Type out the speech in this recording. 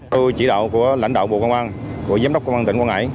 tôi chỉ đạo của lãnh đạo bộ công an của giám đốc công an tỉnh quảng ngãi